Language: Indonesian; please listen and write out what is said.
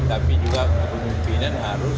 tapi juga kemungkinan harus